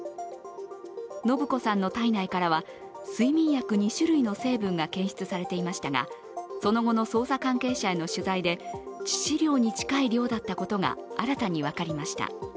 延子さんの体内からは睡眠薬２種類の成分が検出されていましたがその後の捜査関係者への取材で致死量に近い量だったことが新たに分かりました。